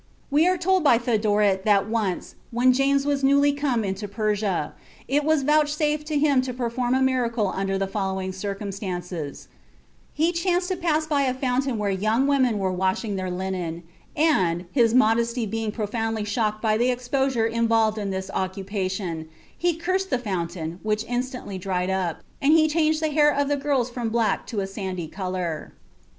We are told by Thedoret that once, when James had newly come into Persia, it was vouchsafed to him to perform a miracle under the following circumstances: He chanced to pass by a fountain where young women were washing their linen, and, his modesty being profoundly shocked by the exposure involved in this occupation, he cursed the fountain, which instantly dried up, and he changed the hair of the girls from black to a sandy color. (Jortin, Remarks on Ecclesiastical History, vol. iii, p. 4.)